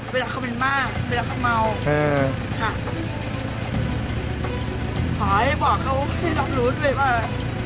เวลาเขาเป็นมากเวลาเขาเมาเออค่ะขอให้บอกเขาให้รับรู้ด้วยว่า